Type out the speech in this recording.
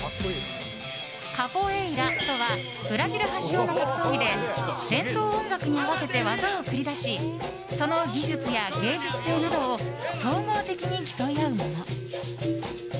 カポエイラとはブラジル発祥の格闘技で伝統音楽に合わせて技を繰り出しその技術や芸術性などを総合的に競い合うもの。